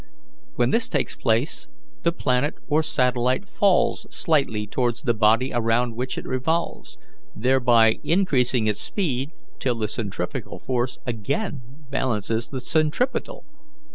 When this takes place the planet or satellite falls slightly towards the body around which it revolves, thereby increasing its speed till the centrifugal force again balances the centripetal.